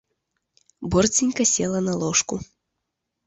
Борздзенька села на ложку.